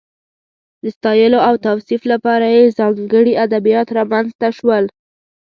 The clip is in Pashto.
د ستایلو او توصیف لپاره یې ځانګړي ادبیات رامنځته شول.